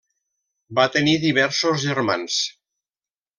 Va tenir diversos germans.